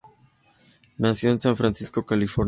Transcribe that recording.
Nació en San Francisco, California.